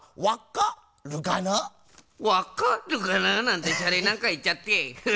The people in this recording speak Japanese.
「『わっか』るかな？」なんてシャレなんかいっちゃってフハ。